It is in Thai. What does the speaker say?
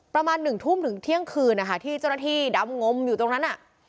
ประมาณ๑ทุ่มถึงเที่ยงคืนที่เจ้าหน้าที่ดำลงอยู่ตรงนั้น